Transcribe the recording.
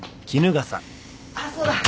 あっそうだ。